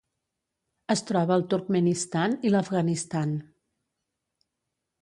Es troba al Turkmenistan i l'Afganistan.